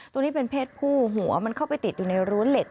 ตัวนี้เป็นเพศผู้หัวมันเข้าไปติดอยู่ในรั้วเหล็ก